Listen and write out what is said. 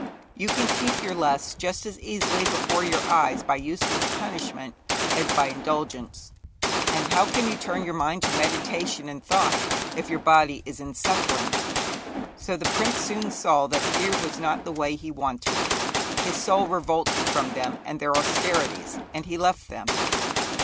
You can keep your lusts just as easily before your eyes by useless punishment as by indulgence. And how can you turn your mind to meditation and thought if your body is in suffering? So the prince soon saw that here was not the way he wanted. His soul revolted from them and their austerities, and he left them.